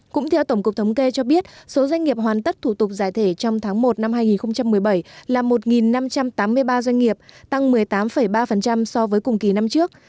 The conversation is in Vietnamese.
cũng theo tổng cục thống kê cho biết số doanh nghiệp hoàn tất thủ tục giải thể trong tháng một năm hai nghìn một mươi bảy là một năm trăm tám mươi ba doanh nghiệp tăng một mươi tám ba so với cùng kỳ năm trước